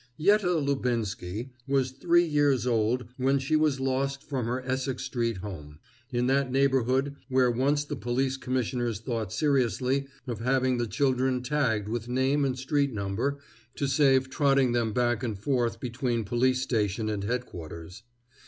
Yette Lubinsky was three years old when she was lost from her Essex street home, in that neighborhood where once the police commissioners thought seriously of having the children tagged with name and street number, to save trotting them back and forth between police station and Headquarters.